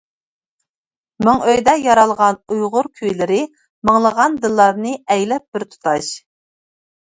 مىڭئۆيدە يارالغان ئۇيغۇر كۈيلىرى، مىڭلىغان دىللارنى ئەيلەپ بىر تۇتاش!